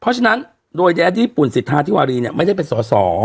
เพราะฉะนั้นโดยแดดดี้ปุ่นสิทธาธิวารีเนี่ยไม่ได้เป็นสอสอ